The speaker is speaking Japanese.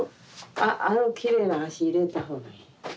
ああのきれいな足入れた方がいい。